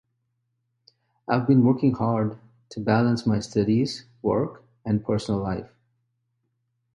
I have been working hard to balance my studies, work, and personal life.